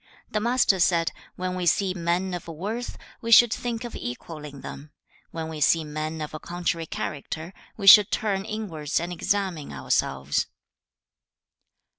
The Master said, 'When we see men of worth, we should think of equalling them; when we see men of a contrary character, we should turn inwards and examine ourselves.'